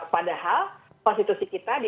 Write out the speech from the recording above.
padahal konstitusi kita di